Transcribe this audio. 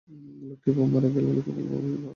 লোকটি এভাবে মারা গেলে লোকে বলবে আমিই তাকে হত্যা করেছি।